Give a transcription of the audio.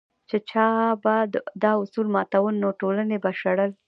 چې چا به دا اصول ماتول نو ټولنې به شړل.